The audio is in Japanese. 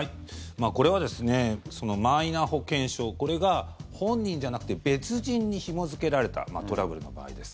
これは、マイナ保険証これが本人じゃなくて別人にひも付けられたトラブルの場合です。